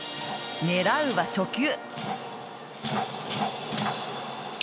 狙うは初球。